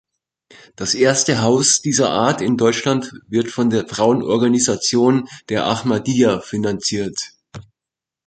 Das erste Haus dieser Art in Deutschland wird von der Frauenorganisation der Ahmadiyya finanziert.